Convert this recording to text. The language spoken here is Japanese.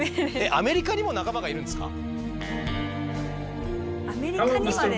アメリカにも仲間がいるんですか？